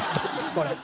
これ。